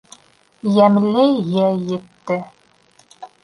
Йәмле йәй етте.